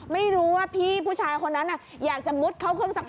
ไม่รู้ว่าพี่ผู้ชายคนนั้นอยากจะมุดเข้าเครื่องสักพัก